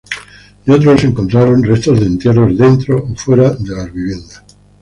De otro lado, se encontraron restos de entierros, dentro o fuera de las viviendas.